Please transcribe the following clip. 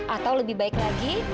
atau lebih baik lagi